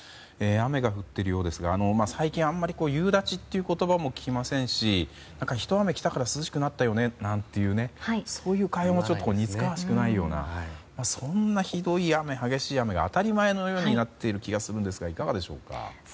雨が降っているようですが最近あまり夕立という言葉も聞きませんしひと雨きたから涼しくなったよねというそういう会話も似つかわしくないようなそんなひどい雨、激しい雨が当たり前のようになっている気がしますがいかがでしょう。